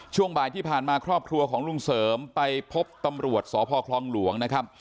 ช่วงบ่ายที่ผ่านมาครอบครัวของลุงเสริมไปพบตำรวจสพคลองหลวงนะครับ